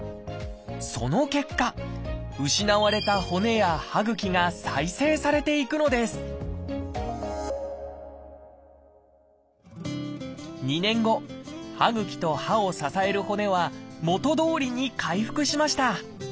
その結果失われた骨や歯ぐきが再生されていくのです２年後歯ぐきと歯を支える骨は元どおりに回復しました。